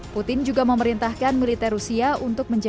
putin juga memerintahkan militer rusia untuk menjelaskan